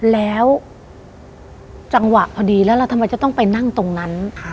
แล้วจังหวะพอดีแล้วเราทำไมจะต้องไปนั่งตรงนั้น